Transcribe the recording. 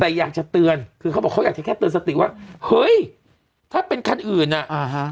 แต่อยากจะเตือนคือเขาบอกเขาอยากจะแค่เตือนสติว่าเฮ้ยถ้าเป็นคันอื่นอ่ะอ่าฮะ